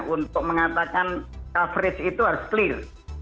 untuk mengatakan coverage itu harus clear